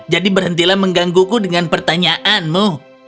jadi berhentilah menggangguku dengan pertanyaanmu